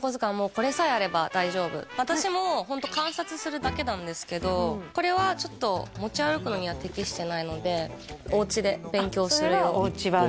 これさえあれば大丈夫私もホント観察するだけなんですけどこれはちょっと持ち歩くのには適してないのでお家で勉強する用あっそれはお家バージョン